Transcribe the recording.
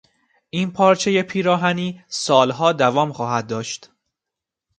این پارچهی پیراهنی سالها دوام خواهد داشت.